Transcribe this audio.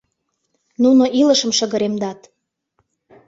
Нуно илышым шыгыремдат!